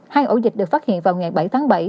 hai ổ dịch được phát hiện vào ngày bảy tháng bảy